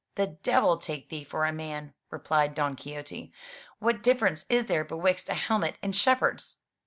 "The devil take thee for a man!" replied Don Quixote; "what difference is there betwixt a helmet and shepherds?"